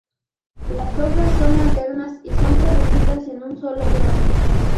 Las hojas son alternas y son producidas en un solo plano.